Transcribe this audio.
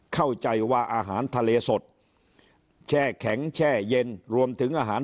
เข้าใจว่าอาหารทะเลสดแช่แข็งแช่เย็นรวมถึงอาหาร